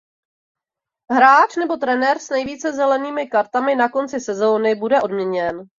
Hráč nebo trenér s nejvíce zelenými kartami na konci sezóny bude odměněn.